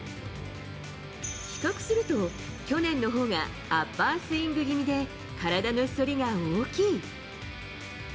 比較すると、去年のほうがアッパースイングぎみで、体の反りが大きい。